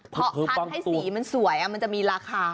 เพราะพัดให้สีมันสวยมันจะมีราคา